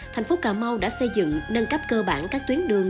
thành phố cà mau đã xây dựng nâng cấp cơ bản các tuyến đường